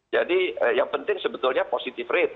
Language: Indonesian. jadi yang penting sebetulnya positive rate